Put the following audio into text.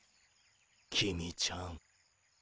公ちゃん。